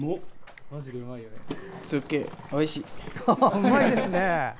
うまいですね！